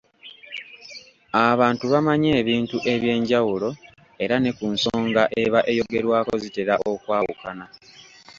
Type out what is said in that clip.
Abantu bamanyi ebintu eby’enjawulo era ne ku nsonga eba eyogerwako zitera okwawukana.